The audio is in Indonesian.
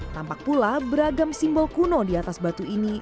tampak pula beragam simbol kuno di atas batu ini